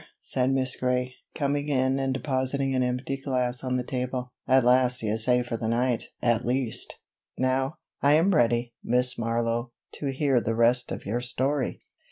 said Miss Gray, coming in and depositing an empty glass on the table. "At last he is safe for the night, at least! Now, I am ready, Miss Marlowe, to hear the rest of your story!"